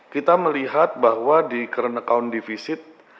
kita melihat bahwa di current account divisit